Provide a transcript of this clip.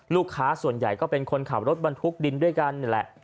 ลูกค้าส่วนใหญ่ก็เป็นคนขับรถบรรทุกดินด้วยกันนี่แหละ